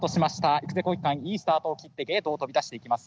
イクゼコクギカンいいスタートを切ってゲートを飛び出していきます。